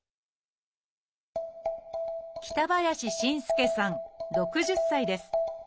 北林新介さん６０歳です。